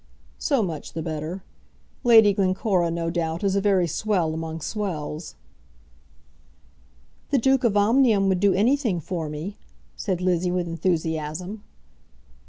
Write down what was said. So much the better. Lady Glencora, no doubt, is a very swell among swells." "The Duke of Omnium would do anything for me," said Lizzie with enthusiasm.